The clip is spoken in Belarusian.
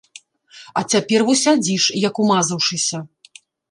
А цяпер во сядзіш, як умазаўшыся!